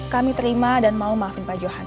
kami terima dan mau maafin pak johan